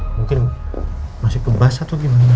mungkin masih kebas atau gimana